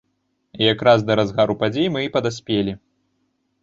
Якраз да разгару падзей мы і падаспелі.